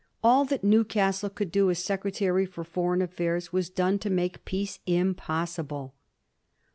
All that Newcastle coald do as Secretary for Foreign Affairs was done to make peace impossible.